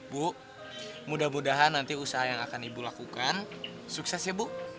bu mudah mudahan nanti usaha yang akan ibu lakukan sukses ya bu